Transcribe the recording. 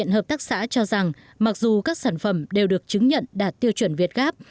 hợp tác xã cho rằng mặc dù các sản phẩm đều được chứng nhận đạt tiêu chuẩn việt gáp